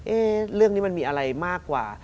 เรื่องนี้มันมีอะไรมากกว่า